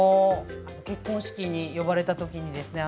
結婚式に呼ばれたときにですね